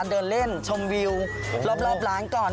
เดินเล่นชมวิวรอบร้านก่อน